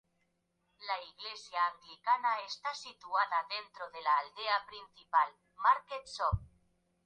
La Iglesia Anglicana está situada dentro de la aldea principal, Market Shop.